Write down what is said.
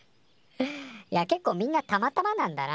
いやけっこうみんなたまたまなんだな。